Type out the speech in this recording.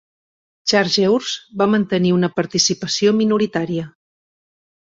Chargeurs va mantenir una participació minoritària.